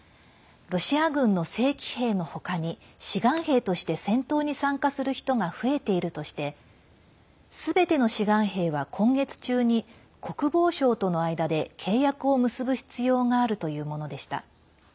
ロシア軍の正規兵の他に志願兵として戦闘に参加する人が増えているとしてすべての志願兵は今月中に国防省との間で契約を結ぶ必要があるというものでした。